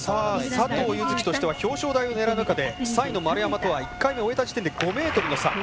佐藤柚月としては表彰台を狙う中で３位の丸山とは１回目終えた時点で５ｍの差。